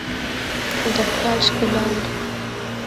د خیال ښکالو